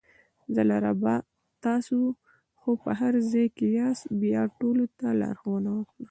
زه: ربه تاسې خو په هر ځای کې یاست بیا ټولو ته لارښوونه وکړه!